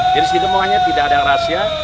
jadi sedemikian tidak ada rahasia